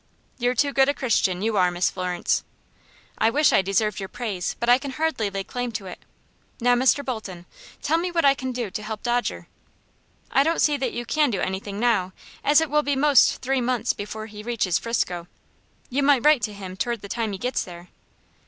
"You're too good a Christian, you are, Miss Florence." "I wish I deserved your praise, but I can hardly lay claim to it. Now, Mr. Bolton, tell me what can I do to help Dodger?" "I don't see that you can do anything now, as it will be most three months before he reaches 'Frisco. You might write to him toward the time he gets there."